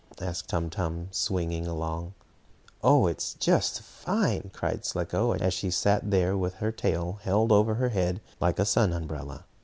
asked Tum Tum, swinging along. "Oh, it is just fine!" cried Slicko, as she sat there, with her tail held over her head like a sun umbrella.